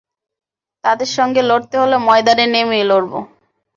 তাদের সাথে লড়তে হলে ময়দানে নেমেই লড়ব।